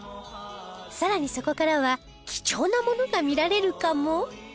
さらにそこからは貴重なものが見られるかも？